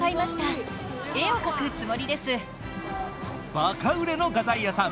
ばか売れの画材屋さん。